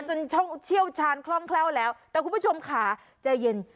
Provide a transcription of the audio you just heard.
ช่องเชี่ยวชาญคล่องแคล่วแล้วแต่คุณผู้ชมค่ะใจเย็น